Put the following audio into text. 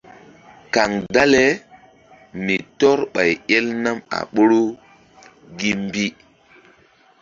Kaŋ dale mi tɔ́r ɓay el nam a ɓoru gi mbi.